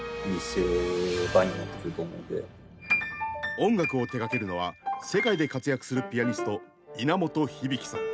音楽を手がけるのは世界で活躍するピアニスト稲本響さん。